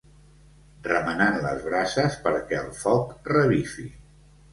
Remenant les brases perquè el foc revifi.